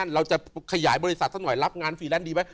เราจะขยายบริษัทรับงานฝีแรงดีไหม